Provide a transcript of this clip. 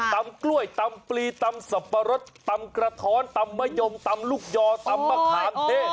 กล้วยตำปลีตำสับปะรดตำกระท้อนตำมะยมตำลูกยอตำมะขามเทศ